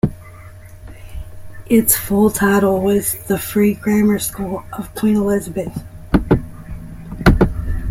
Its full title was The Free Grammar School of Queen Elizabeth.